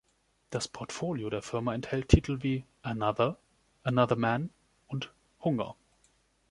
Das Portfolio der Firma enthält Titel wie AnOther, Another Man und Hunger.